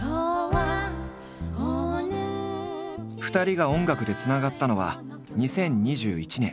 ２人が音楽でつながったのは２０２１年。